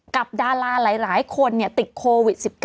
ดาราหลายคนติดโควิด๑๙